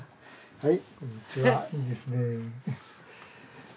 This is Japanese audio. はい。